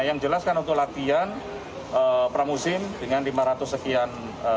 yang jelas kan untuk latihan pramusim dengan lima ratus sekian